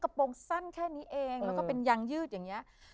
โปรงสั้นแค่นี้เองแล้วก็เป็นยางยืดอย่างนี้